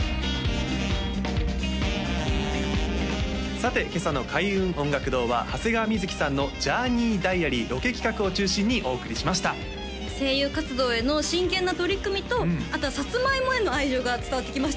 さて今朝の開運音楽堂は長谷川瑞さんのＪｏｕｒｎｅｙＤｉａｒｙロケ企画を中心にお送りしました声優活動への真剣な取り組みとあとはさつまいもへの愛情が伝わってきましたね